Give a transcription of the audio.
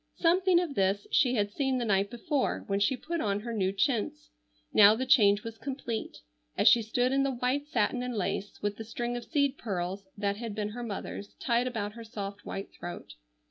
Something of this she had seen the night before when she put on her new chintz; now the change was complete, as she stood in the white satin and lace with the string of seed pearls that had been her mother's tied about her soft white throat.